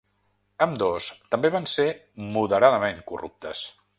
Ambdós també van ser moderadament corruptes.